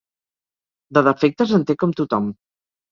De defectes, en té com tothom.